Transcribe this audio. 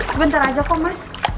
sebentar aja kok mas